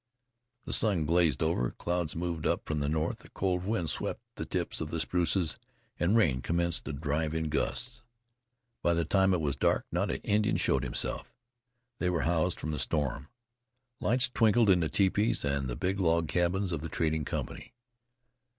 The sun glazed over; clouds moved up from the north; a cold wind swept the tips of the spruces, and rain commenced to drive in gusts. By the time it was dark not an Indian showed himself. They were housed from the storm. Lights twinkled in the teepees and the big log cabins of the trading company.